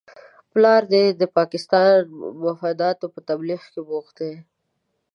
پلار دې د پاکستاني مفاداتو په تبلیغ کې بوخت دی؟